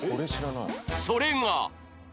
それが